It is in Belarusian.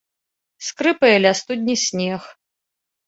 Скрыпае ля студні снег.